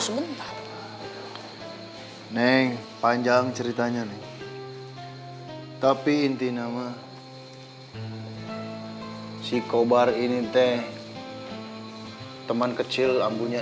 sebentar neng panjang ceritanya nih tapi inti nama si kobar ini teh teman kecil ambunya